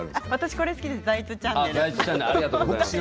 これ好きです「財津チャンネル」。